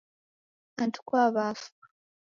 Andu kwa wafu